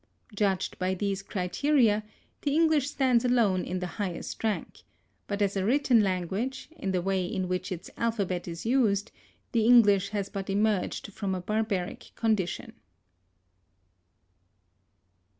Judged by these criteria, the English stands alone in the highest rank; but as a written language, in the way in which its alphabet is used, the English has but emerged from a barbaric condition.